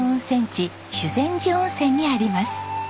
修善寺温泉にあります。